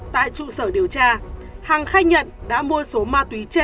tại trụ sở điều tra hằng khai nhận đã mua số ma túy trên